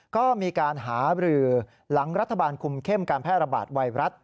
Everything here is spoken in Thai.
ก็มีการหาบรือหลังรัฐบาลคุมเข้มการแพร่ระบาดไวรัส